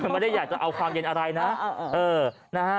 ไม่ได้อยากจะเอาความเย็นอะไรนะ